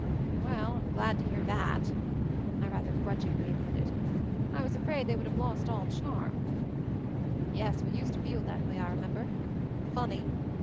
"Well, I'm glad to hear that," I rather grudgingly admitted. "I was afraid they would have lost all — charm." "Yes, we used to feel that way, I remem ber. Funny!